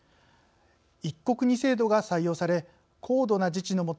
「一国二制度」が採用され高度な自治の下